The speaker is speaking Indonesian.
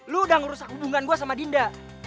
lu udah ngerusak hubungan gue sama dinda